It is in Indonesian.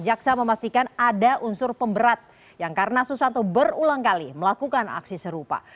jaksa memastikan ada unsur pemberat yang karena susanto berulang kali melakukan aksi serupa